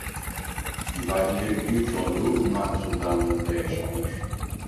İbadiler'in büyük çoğunluğu Umman Sultanlığı'nda yaşarlar.